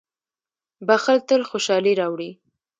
• بښل تل خوشالي راوړي.